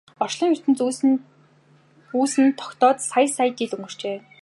Орчлон ертөнц үүсэн тогтоод сая сая жил өнгөрчээ.